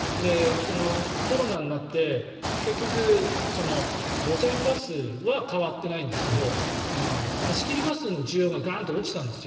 コロナになって、結局路線バスは変わってないんですけど貸し切りバスの需要がガンと落ちたんです。